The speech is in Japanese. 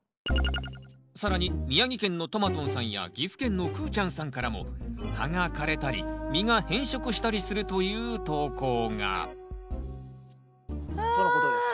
更に宮城県のトマトンさんや岐阜県のクーちゃんさんからも葉が枯れたり実が変色したりするという投稿がとのことです。